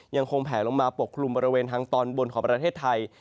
ยังคงแผลลงมาปกคลุมบริเวณทางตอนบนของประเทศไทย